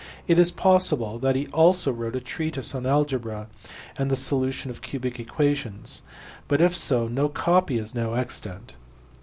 It is possible that he also wrote a treatise on algebra and the solution of cubic equations, but if so no copy is now extant.